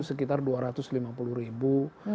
sekitar dua ratus lima puluh ribu